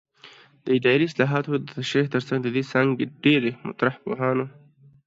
د اداري اصطلاحاتو د تشریح ترڅنګ د دې څانګې د ډېری مطرح پوهانو